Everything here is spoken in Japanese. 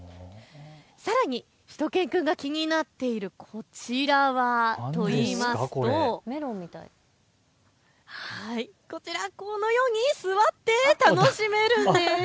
さらにしゅと犬くんが気になっているこちらは、このように座って楽しめるんです。